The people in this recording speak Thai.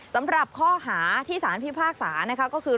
สำหรับข้อหาที่ศาลอาญาพิพากษาก็คือ